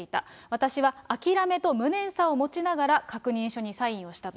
私は諦めと無念さを持ちながら、確認書にサインをしたと。